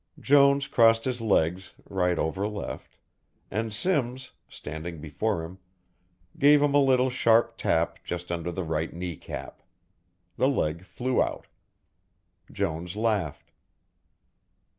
Jones crossed his legs, right over left, and Simms, standing before him, gave him a little sharp tap just under the right knee cap. The leg flew out. Jones laughed.